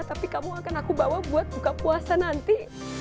tapi kamu akan aku bawa buat buka puasa nanti